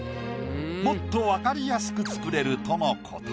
もっと分かりやすく作れるとのこと。